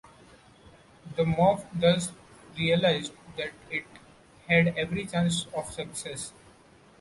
The mob thus realized that it had every chance of success.